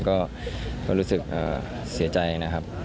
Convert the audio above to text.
ก็รู้สึกเสียใจนะครับ